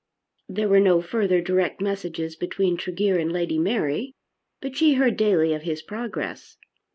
There were no further direct messages between Tregear and Lady Mary, but she heard daily of his progress.